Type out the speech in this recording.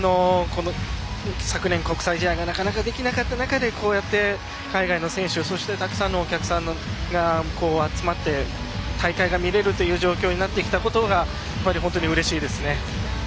昨年、国際試合がなかなかできなかった中でこうやって海外の選手そしてたくさんのお客さんが集まって大会が見れる状況になってきたことが本当にうれしいですね。